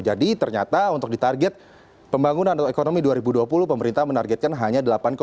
jadi ternyata untuk ditarget pembangunan atau ekonomi dua ribu dua puluh pemerintah menargetkan hanya delapan lima